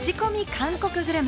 韓国グルメ。